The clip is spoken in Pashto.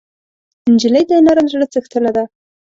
نجلۍ د نرم زړه څښتنه ده.